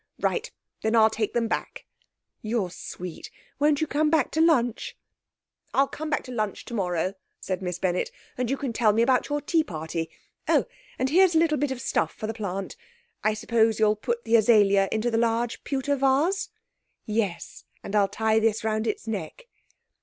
'Right. Then I'll take them back.' 'You're sweet. Won't you come back to lunch?' 'I'll come back to lunch tomorrow,' said Miss Bennett, 'and you can tell me about your tea party. Oh, and here's a little bit of stuff for the plant. I suppose you'll put the azalea into the large pewter vase?' 'Yes, and I'll tie this round its neck.'